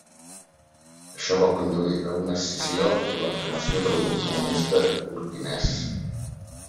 Això va conduir a una escissió i la formació del Grup Comunista Burkinès.